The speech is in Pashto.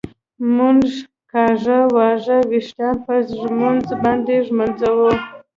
مونږ کاږه واږه وېښتان په ږمونځ باندي ږمنځوو